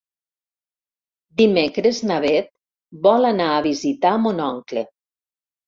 Dimecres na Beth vol anar a visitar mon oncle.